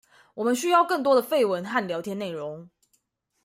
我們需要更多的廢文和聊天內容